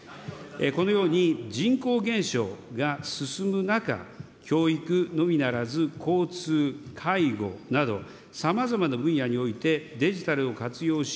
このように人口減少が進む中、教育のみならず交通、介護などさまざまな分野においてデジタルを活用し、